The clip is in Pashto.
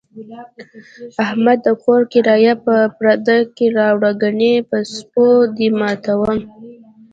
احمده! د کور کرایه په پرده کې راوړه، گني په سپو دې ماتوم.